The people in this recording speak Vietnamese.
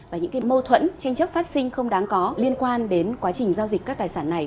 và những mâu thuẫn tranh chấp phát sinh không đáng có liên quan đến quá trình giao dịch các tài sản này